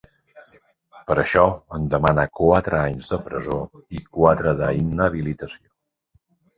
Per això en demana quatre anys de presó i quatre d’inhabilitació.